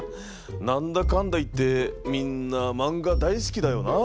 何だかんだ言ってみんな漫画大好きだよな。